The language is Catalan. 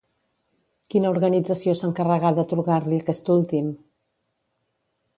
Quina organització s'encarregà d'atorgar-li aquest últim?